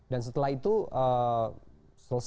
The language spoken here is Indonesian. dan setelah itu selesai dan teman teman pergi dan berhenti